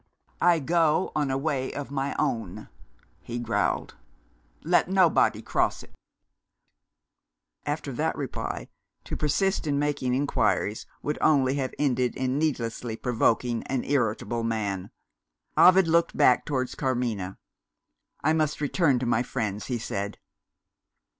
"I go on a way of my own," he growled. "Let nobody cross it." After that reply, to persist in making inquiries would only have ended in needlessly provoking an irritable man. Ovid looked back towards Carmina. "I must return to my friends," he said.